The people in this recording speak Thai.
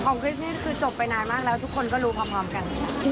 คริสนี่คือจบไปนานมากแล้วทุกคนก็รู้พร้อมกัน